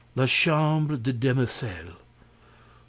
La Chambre des Demoiselles.